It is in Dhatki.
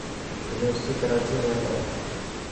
يونيورسٽي ڪراچي ۾ هي.